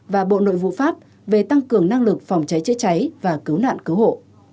và bộ nội vụ pháp về tăng cường năng lực phòng cháy chữa cháy và cứu nạn cứu hộ